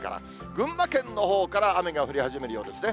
群馬県のほうから雨が降り始めるようですね。